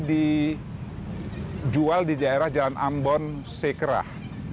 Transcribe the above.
dijual di daerah jalan ambon sekerah